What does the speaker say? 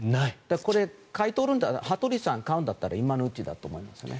これ、羽鳥さん買うんだったら今のうちだと思いますね。